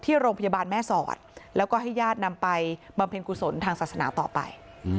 ที่โรงพยาบาลแม่สอดแล้วก็ให้ญาตินำไปบำเพ็ญกุศลทางศาสนาต่อไป